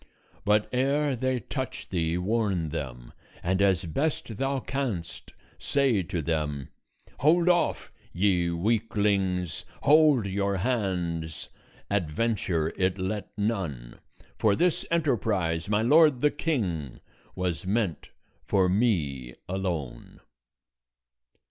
But ere they touch thee warn them, and as best thou canst, say to them: 'Hold off! ye weaklings; hold your hands! Adventure it let none, For this enterprise, my lord the King, Was meant for me alone.'